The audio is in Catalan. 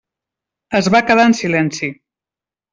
Es va quedar en silenci.